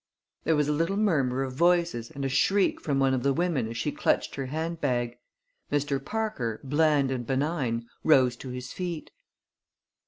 There was a little murmur of voices and a shriek from one of the women as she clutched her handbag. Mr. Parker, bland and benign, rose to his feet.